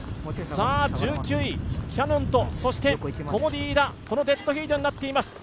１９位、キヤノンとコモディイイダのデッドヒートになっています。